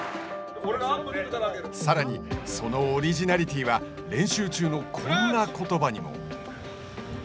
さらに、そのオリジナリティーは練習中のこんなことばにも。